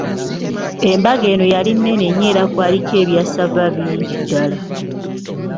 Embaga eno yali nnene nnyo era kwaliko ebya ssava bingi ddala.